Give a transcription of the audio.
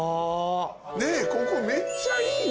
ねっここめっちゃいいな。